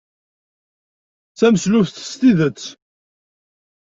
D tameslubt s tidet.